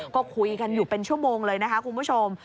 ก็คุยกันอยู่เป็นชั่วโมงเลยนะคะคุณผู้ชม